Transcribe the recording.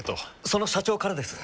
その社長からです。